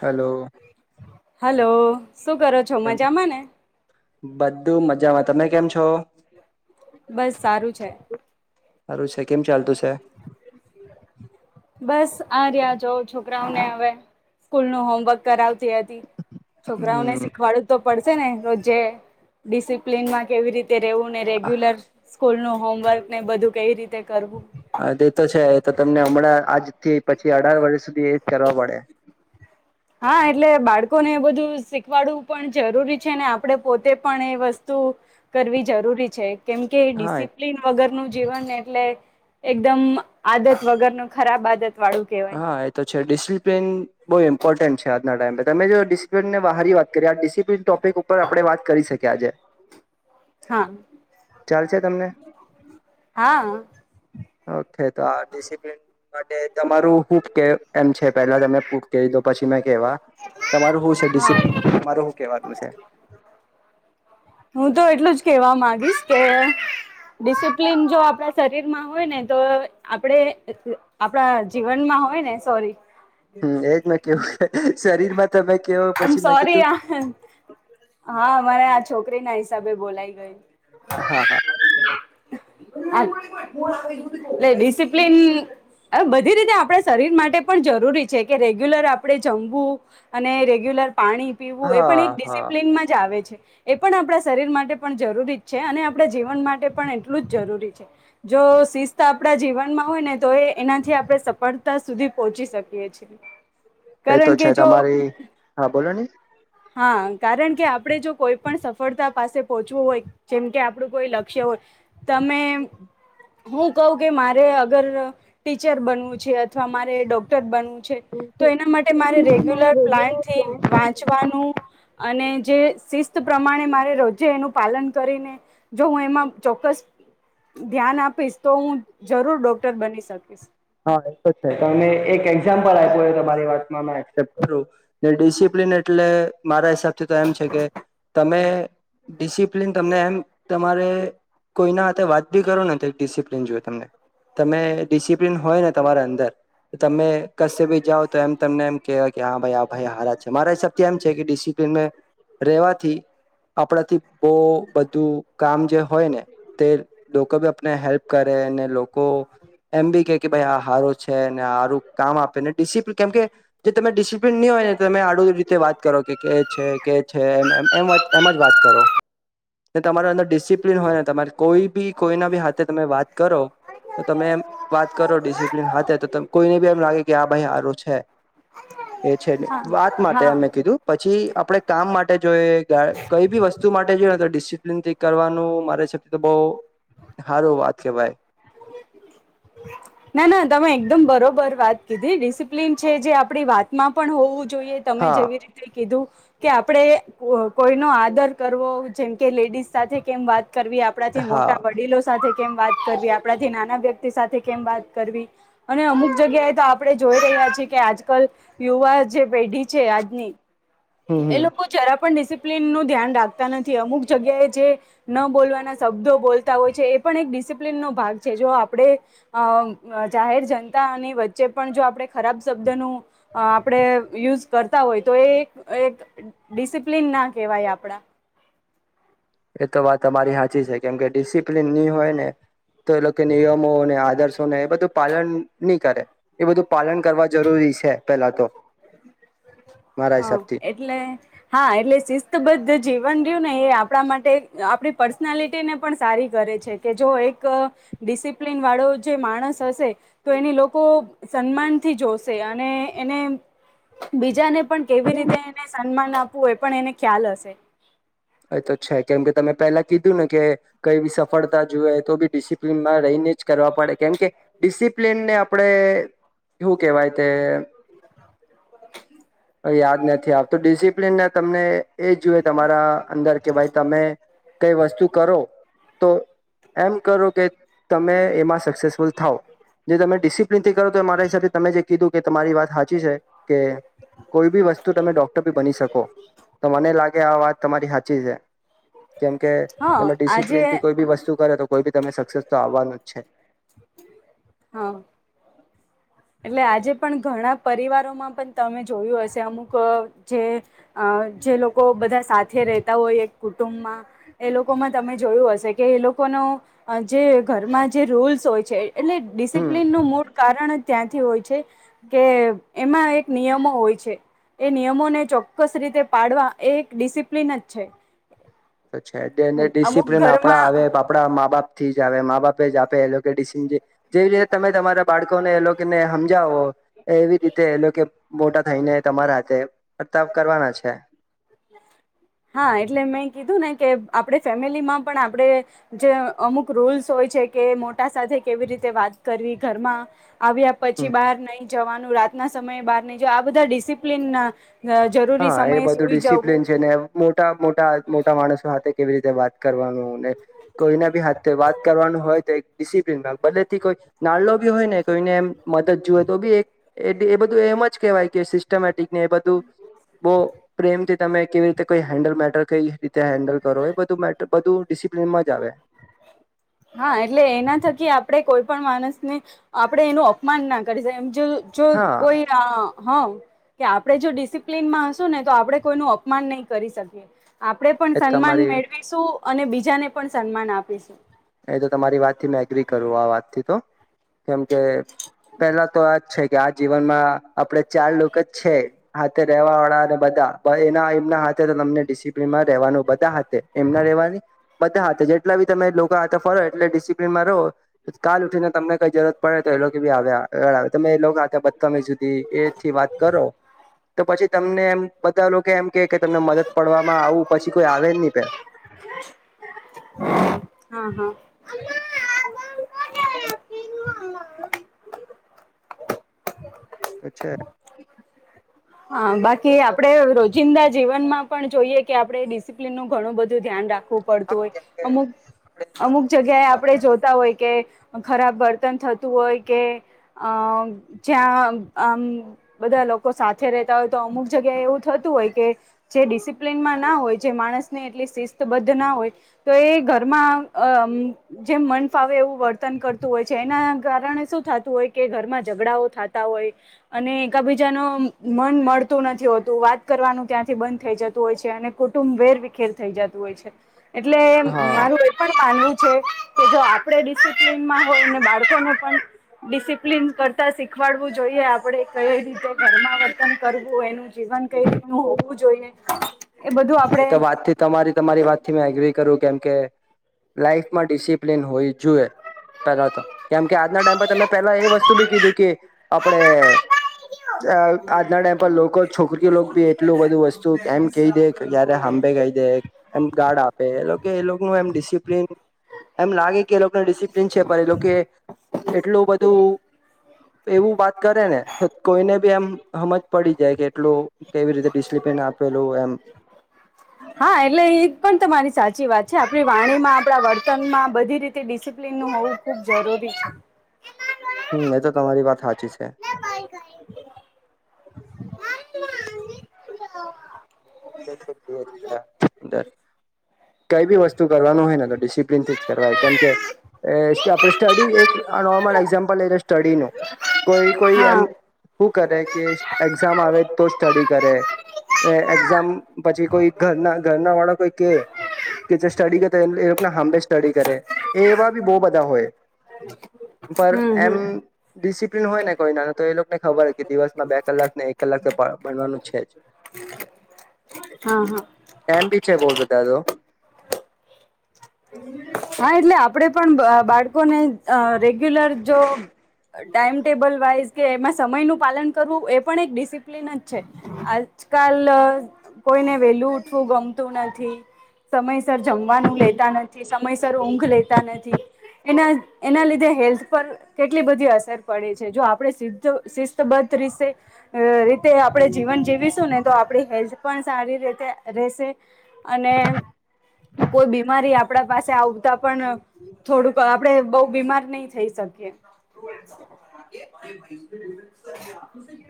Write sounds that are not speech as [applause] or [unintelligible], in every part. Hello hello. શું કરો છો મજામાં ને? બધું મજામાં, તમે કેમ છો? બસ સારું છે. સારું છે. કેમ ચાલતુ શે? બસ આ રહ્યા જો છોકરાઓને હવે સ્કૂલ નું હોમવર્ક કરાવતી હતી. છોકરાઓને હમ શીખવાડુ. તો પડશે ને રોજે. ડિસિપ્લનમાં કેવી રીતે રહેવું ને રેગ્યુલર સ્કૂલ નું હોમવર્ક. ને બધું કઈ રીતે કરવું. હા તે તો છે તો તમને હમણાં આજ. થી પછી અઢાર વર્ષ સુધી એજ કરવા પડે. હા એટલે બાળકોને એ બધું શીખવાડવું પણ જરૂરી છે, ને આપડે પોતે પણ એ વસ્તુ કરવી જરૂરી છે. કેમ કે હા ડિસિપ્લિન વગરનું. જીવન એટલે એકદમ આદત વગરનું ખરાબ આદત વાળું કહેવાય. હા એ તો છે ડિસિપ્લન બહુ ઇમ્પોર્ટન્ટ છે આજના ટાઈ પે. તમે જો ડિસિપ્લનને બહરી વાત કરી આ ડિસ ડિસિપ્લિન ટોપિક ઉપર આપડે વાત કરી શક કે આજે હા, ચાલશે તમને હા આ. ઓકે તો આ ડિસિપ્લન માટે તમારું હૂબ કે એમ છે પેલા તમે પૂક કહી દો પછી મેં કેવા તમારૂ શું છે હા ડિસપ્લન તમારું શું કહેવાનું શે છે. હું તો એટલું જ કેહેવા માંગીશ કે ડિસિપ્લિન જો આપડા શરીર માં હોય ને તો આપડે એ એ આપડા જીવનમાં હોય ને સોરી હમ્મ, એજ મેં કેવું છે શરીરમાં તમે કેવો આમ પછી મેં સોરી. કીધું હા મારે આજ છોકરી ના હિસાબે બોલાઈ ગઈ. હા હા આ એટલે ડિસિપ્લિન એ બધી રીતે આપડા શરીર માટે પણ જરૂરી છે કે રેગ્યુલર આપડે જમવું અને રેગ્યુલર પાણી પીવું એ પણ એક હા હા ડિસિપ્લિનમાં જ આવે છે. એ પણ આપડા શરીર માટે પણ જરૂરી જ છે અને આપડા જીવન માટે પણ એટલું જ જરૂરી છે. જો શિસ્ત આપડા જીવનમાં હોય ને તો એ એનાથી આપડે સફળતા સુધી પહોંચી શકીએ છીએ. કારણ કે જો હિ, હા બોલો ને હા, કારણ કે આપડે જો કોઈ પણ સફળતા પાસે પહોંચવું હોય જેમકે આપડું કોઈ લક્ષ્ય હોય તમે હું કહું કે મારે અગર ટીચર બનવું છે અથવા મારે ડોક્ટર બનવું છે, તો એના માટે મારે એના માટે રેગ્યુલર રેગ્યુલર પ્લાન્ટથી પ્લાન વાંચવાનું અને જે સીસ શુ પ્રમાણે મારે રોજે એનું પાલન કરીને જો હું એમાં ચોક્કસ ધ્યાન આપીશ તો હું જરૂર ડોક્ટર બની શકીશ હા, એ તો છે તમે એક એક્ઝામ્પલ આપ્યુંય તો મારી વાતમાં એક્સેપ્ટ કરું જે ડિસિપ્લન એટલે મારેજ થી તો એમ છે કે તમે ડિસિપ્લિન તમને એમ તમારે કોઈના હાથે વાત બી કરો ને તે ડિસિપ્લિન જોઈએ તમને, તમે ડિસિપ્લિન ડિસિપ્લિન હોય ન તમારા અંદર તમે કશી ભી જાઓ તો એમ તમને એમ કેવાય કે હા ભાઈ આ ભાઈ હારાજ છે મારા હિસાબથી એમ છે કે ડિસિપ્લનને રેવાથી, આપણાથી બોહ બધું કામ જે હોય ને તે લોકો ભી આપને હેલ્પ કરે એને લોક કો એમ બી કે કે ભાઈ આ સારું છે ને સારું કામ આપે ને ડિસિ કેમ કે જે તમે ડિસિપ્લિન નહી હોય ને તમે આડ આવરી રીતે વાત કરો કે છે કે છે એ એમત એમ જ વાત કરો ને તમાર અંદર ડિસિપ્લિન હોય ને તમારે કોઈ બી કોઈના બી હાથે તમે વાત કરો તો તમે એમ વાત કરો ડિસિપ્લિન હાથે તો કોઈને બી એમ લાગે કે આ ભાઈ સારું છે એ છે ન હા વાત માટે હા એં કીધું પછી આપણે કામ માટે જોઈ કઈ બી વસ્તુ માટે જોઈ ડિસિપ્લિનથી કરવાનું મારે [unintelligible] બવ હારો વાત કેવાય. ના. ના. તમે એકદમ બરોબર વાત કીધી ડિસિપ્લીન છે, જે આપણી વાતમાં પણ હોવું જ જોઈએ તમે હા જેવી રીતે કીધું કે આપડે કોઈ નો આદર કરવો જેમ કે, લેડીસ સાથે કેમ વાત કરવી આપડાથી હા મોટા વડીલો સાથે કેમ વાત કરવી આપણાથી નાના વ્યક્તિ સાથે કેમ વાત કરવી અને અમુક જગ્યાએ તો આપણે જોઈ રહ્યા છીએ કે આજકાલ યુવા જે પેઢી છે આજની હમ એ હમ લોકો જરા પણ ડિસિપ્લિનનું ધ્યાન રાખતા નથી, અમુક જગ્યાએ જે ન બોલવાના શબ્દ બોલતા હોય છે, એ પણ એક ડિસિપ્લિનનો ભાગ છે, જો આપડે જાહેર જનતાની વચ્ચે પણ ખરાબ શબ્દનું આપડે આં યુઝ કરતા હોય તો એ એક ડિસિપ્લિન ના કેહેવાય આપડા એ તો વાત તમારી સાચી છે, કેમ કે ડિસિપ્લિન ની હોય ને તો એ લોકો નિયમોને આદર્શોને એ બધું પાલન નહી કરે એ બધું પાલન કરવા જરૂરી છે. પેલા તો મારા હ હિસાબથી એટલે હા, એટલે શિસ્તબદ્ધ જવ યુ ને એ આપણા માટે આપણી પર્સનાલિટીને પણ સારી કરે છે કે, જો એક ડિસિપ્લન વાળો જે માણસ હશે તો એની લોકો સન્માનથી જોશે અને એને બીજાને પણ કેવી રીતે એને સન્માન આપ વુ એ પણ એને ખ્યાલ હશે એ તો છે કેમ કે તમે પેલા કીધું ને કે કઈ બી સફળતા જુએ તો બી ડિસિપ્લનમાં રહીને જ કરવા પડે, કેમ કે ડિસિપ્લનને આપડે, હુ કેહેવાય તે [inaudible] યાદ નથી આવતું, ડિસિપ્લન તમને એ જૂએ તમારા અંદર કે ભાઈ તમે કઈ વસ્તુ કરો તો, એમ કરો કે તમે એમાં સક્સેસફુલ થાવ, જે તમે ડિસિપ્લિન થી કરો તો એ મારા હિસાબે તમે જે કીધું કે તમારી વાત સાચી છે કે કોઈ બી વસ્તુ તમે ડોક્ટર બી બની શકો, તો મને લાગે આ વાત તમારી સાચી છે, કેમકે હા તમે આજે ડિસિપ્લિન થી કોઈ બી વસ્તુ કરે તો કોઈ બી તમે સક્સેસ તો આવવાનું જ છે. હા. એટલે આજે પણ ઘણા પરિવારોમાં પણ તમે જોયું હશે, અમુક જે જે લોકો બધા સાથે રહેતા હોય એક કુટુંબમાં એ લોકોમાં તમે જોયું હશે કે એ લોકોનો જે ઘરમાં જે રૂલ્સ હોય [unintelligible] એટલે હમ ડિસિપ્લિનનું મૂળ કારણ ત્યાંથી હોય છે. કે એમાં એક નિયમો હોય છે એ નિયમોને ચોક્કસ રીતે પાડવા એ એક ડિસિપ્લિન જ છે. તો છે ડેને અમુક ડિસિપ્લન આપડા ઘરમાં આવે આપડા મા બાપ થી જ આવે મા બાપે જ આપે એ જેવી રીતે તમે તમારા બાળકોને એ લોકોને સમજાવો એવી રીતે એ લોકો મોટા થઈને તમારા હાથે વર્તાવ કરવાના છે. હા એટલે મેં કીધું ને કે આપડે ફેમિલીમાં પણ આપડે જે અમુક રૂલ્સ હોય છે કે મોટા સાથે કેવી રીતે વાત કરવી ઘરમાં આવ્યા પછી બહાર નહી જવાનું રાત ના સમયે બહાર ની જો આ બધા ડિસિપ્લિન જરૂરી સમય સુઈ જાવ. જેને મોટા મોટા મોટા માણસો હાથે કે રીતે વાત કરવાનું ને કોઈના બી હાથે વાત કરવાનું હોય તો એક ડીસી પ્લીનમાં ભલે થી કોઈ નાળલો બી હોય ને કોઈને એમ મદદ જુએ તો બી એક એ બધું એમ જ કેહેવાય કે સિસ્ટમેટિક ને એ બધું. બો પ્રેમથી તમે કેવી રીતે કોઈ હેન્ડલ મેટર કઈ રીતે હેન્ડલ કરો એ બધું મે બધું ડિસિપ્લનમાં જ આવે. હા એટલે એના થકી આપડે કોઈ પણ માણસને આપડે એનું અપમાન ના કરી જો જો હા કોઈ આ હા કે આપડે જો ડિસિપ્લીનમાં હશું ને તો આપડે કોઈનું અપમાન નહી કરી શકીએ. આપડે પણ એ સન્માન તમારી મેળવીશું. અને બીજાને પણ સન્માન આપ પી શું. એ તો તમારી વાતથી મે એગ્રી કરું આ વાતથી તો કેમ કે પેલા તો આજ છે. કે આ જીવનમાં આપડે ચાર લોકો જ છે હાથે રેવા વાળા અને બધા. પણ એના એમના હાથે તમને ડિસિપ્લનમાં રહેવાનું બધા હાથે એમના રહેવાની. બધા હાથે જેટલા બી તમે લો કો હાથે ફરે એટલે ડિસિપ્લનમાં રહો કાલ ઉઠીને તમને કઈ જરૂરત પડે તો એ લોકો બી આવ આગળ આવે તમે એ લોકો બમી સુધી એથી વાત કરો તો પછી તમને એમ બધ લોકો એમ કે કે તમને મદદ પડવામાં આવું પછી કોઈ આવે જ ની પે. હા હા. તો છે. હા બાકી આપડે રોજિંદા જીવનમાં પણ જોઈએ કે આપડે ડિસિપ્લિનનું ઘણું બધું ધ્યાન રાખ ખવું પડતું હા કેમ કે હોય અમુક અમુક જગ્યાએ આપડે જોતા હોય કે ખરાબ વર્તન થતું હોય કે અ જ્યાં અમ બધા લોકો સા થે રહેતા હોય તો અમુક જગ્યાએ એવું થતું હોય કે જે ડિસિપ્લિનમાં ના હોય જે માણસને એટલી શિસ્તબદ્ધ ના હોય તો એ ઘરમાં અમ જેમ મન ફાવે એવું વર્તન કરતું હોય છે એના કારણે શું થતું હોય કે ઘરમાં ઝઘડાઓ થાતા હોય અને એકબીજાનો મન મળતું નથી હોતું વાત કરવાનું ત્યાંથી બંધ થઈ જતું હોય છે અને કુટુંબ વેરવિખેર થઈ જ તુ હોય છે એટલે હા મારું એ પણ માનવું છે કે જો આપડે ડિસિપ્લનમાં હોય ને બાળકોને પણ ડિસિપ્લીન કરતા શીખવાડવું જોઈએ આપડે કઈ રીતે ઘરમાં વ તમે કરવું એનું. જીવન કઈ રીતનું હોવું જોઈએ. એ બધું એ આપણે તો વાતથી તમારી તમારી વાતથી મે એગ્રી કરું કેમ કે લાઇફમાં ડિસિપ્લિન હોવી જોય પેલા તો કેમ કે આજના ટાઈમ પર તમે પેલા એ બી કીધું કે આપણેે આજના ટાઈમ પર લોકો, છોકરીઓ બી એટલું બધું વસ્તુ એમ કહી દે, જય્યારે હંભે કઈ દે એમ ગાર્ડ આપે એ એ લોકોનું એમ ડિસપ્લન એમ લાગે કે એ લોકોને ડિસિપ્લિન છે, પણ એ લોકો એટલું બધું એવું વાત કરે ને કોઈને બી એમ હમજ પડી જાય કે એટલો કેવી રીતે ડિસિપ્લિન આપ કોઈ આમ હા, એટલે એ પણ તમારી સાચી વાત છે આપણી વાણીમાં આપણા વર્તનમાં બધી રીતે ડિસિપ્લિનનું હોવું ખુબ જરૂરી છે હમ્મ, એ તો તમારી વાત હાચી છે. [unintelligible] કઈ બી વસ્તુ કરવાનું હોયને તો ડિસિપ્લનથી જ કરવા કેમકે એ આપ સ્ટડી એક આ નોર્મલ એક્ઝામ્પલ લઈ લે સ્ટડીનું કોઈ કોઈ એમ હા હું કરે કે એક્ઝામ આવે તો જ સ્ટડી કરે. ને એક્ઝ ઝામ પછી કોઈ ઘરના ઘરના વાળા કોઈ કે કે જે સ્ટડી કરતા એ લે ના હાંબે સ્ટડી કરે એ એવા બી બહુ બધા હોય પણ પર હમ એમ હમ ડિસિપ્લન હોય ને કોઈ ના તો એ લોકોને ખબર હો કે દિવસમાં બે કલાક ને એક કલાક ભ ભનવાનું છે જ. હા હા એમ બી છે બહુ બધા તો હા, એટલે આપડે પણ બ બાળકોને અહ રેગ્યુલર જો ટાઈમટેબલ વાઈઝ કે એમાં સમય નું પાલન કરવું એ પણ એક ડિસિપ્લિન જ છે. આજકાલ અહ કોઈને વેલું ઉઠવું ગમતું નથી સમયસર જમવાનું લે તા નથી સમય સર ઊંઘ લેતા નથી. એના એના લીધે હેલ્થ પર કેટલી બધી અસર પડે છે. જો આપડે સિધ્ધો સિસ્થ બત્રીસે અહ રીતે આપડે જીવન જીવીશું ને તો આપડે હેલ્થ પર સારી રીતે રહેશે અને કોઈ બી મારી આપડા પાસે આવતા પણ થોડુંક આપડે બઉ બીમાર નહી થઈ શકીએ.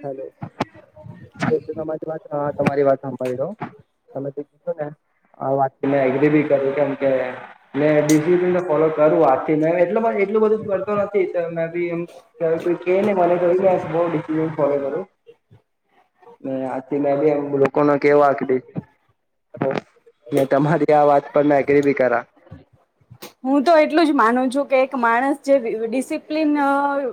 હેલો [inaudible] હા તમારી વાત હામબર ડુ [unintelligible] આ વાત થી મેં એગ્રી ભી કરું કેમ કે મેં ડિસિપ્લિન ભી ફોલો કરું આકે મેં એટલું બ એટલું કરતો નથી નથી કરતું કા કોઈ કેને મારે બહુ [inaudible] ફોલો કરું ને આથી મારી એમ બોલો કોના કેવા કે વાંકડી ને તમારી આ વાત પર મેં એગરી બી કરા. હું તો એટલું જ માનું છું કે એક માણસ જે ડિસિપ્લિન અહ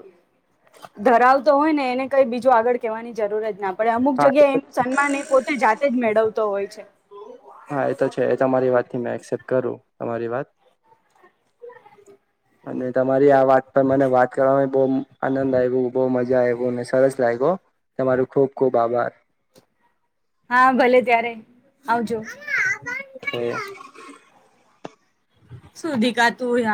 ધરાવતો હોય ને એને કઈ બીજું આગળ કહેવાની જરૂર જ ના પડે અમુક હા જગ્યા ઇન્સાન માં એ પોતે જાતે મળવતો હોય છે. હા એ તો છે એ તમારી વાત તે મે એક્સસપ્ત કરું તમારી વાત અને તમારી આ વાત પર મને વાત કરવામા બોઓ આનંદ આવ્યુ બોઓ મજા જ આયુંવું અને સરસ લાગ્યો તમારો ખુબ ખુબ આભાર હા ભલે ત્યારે આવજો થે શું [unintelligible]